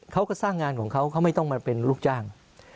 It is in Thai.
เขาก็สร้างงานของเขาเขาไม่ต้องมาเป็นลูกจ้าง